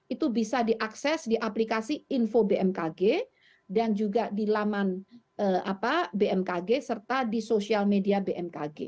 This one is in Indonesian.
itu bisa diakses di aplikasi info bmkg dan juga di laman bmkg serta di sosial media bmkg